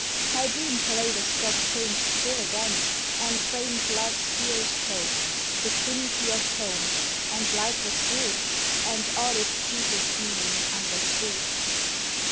MAIDEN My dream kaleidoscope Changed still again, and framed love's dearest hope— The trinity of home; and life was good And all its deepest meaning understood.